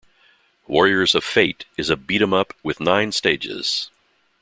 "Warriors of Fate" is a beat'em up with nine stages.